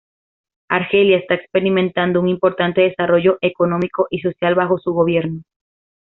Argelia está experimentando un importante desarrollo económico y social bajo su gobierno.